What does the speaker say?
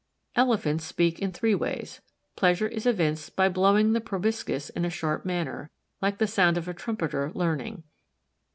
Elephants speak in three ways. Pleasure is evinced by blowing the proboscis in a sharp manner like the sound of a trumpeter learning.